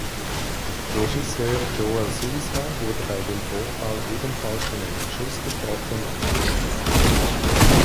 Regisseur Joel Souza wurde bei dem Vorfall ebenfalls von einem Schuss getroffen und verletzt.